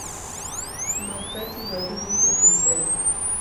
Makati maduong’ to pesa adi?